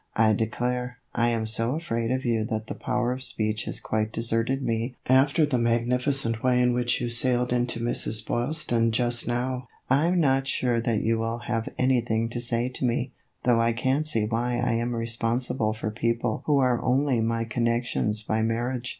" I declare, I am so afraid of you that the power of speech has quite deserted me after the magnificent way in which you sailed into Mrs. Boylston just now. I 'm not sure that you will have anything to say to me, though I can't see why I am responsible for people who are only my con nections by marriage.